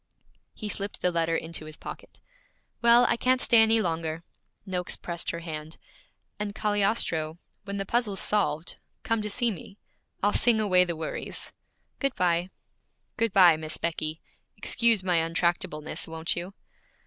He slipped the letter into his pocket. 'Well, I can't stay any longer.' Noakes pressed her hand. 'And, Cagliostro, when the puzzle's solved, come to see me. I'll sing away the worries, Good bye.' 'Good bye, Miss Becky. Excuse my untractableness, won't you?'